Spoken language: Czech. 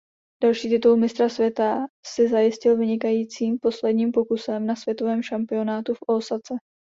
Další titul mistra světa si zajistil vynikajícím posledním pokusem na světovém šampionátu v Ósace.